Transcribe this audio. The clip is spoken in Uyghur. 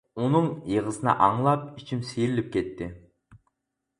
ئۇنىڭ يىغىسىنى ئاڭلاپ ئىچىم سىيرىلىپ كەتتى.